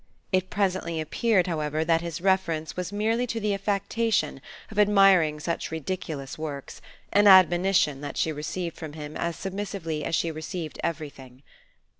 It presently appeared, however, that his reference was merely to the affectation of admiring such ridiculous works an admonition that she received from him as submissively as she received everything.